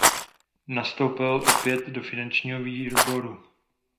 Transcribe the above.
Nastoupil opět do finančního výboru.